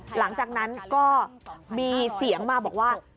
หลังจากนั้นก็มีเสียงมาบอกว่า